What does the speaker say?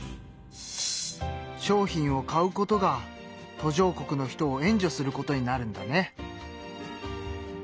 商品を買うことが途上国の人を援助することになるんだね。